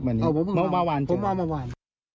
วันนี้อ๋อผมว่าวันเจอผมว่าวัน